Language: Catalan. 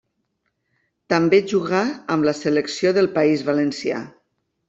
També jugà amb la selecció del País Valencià.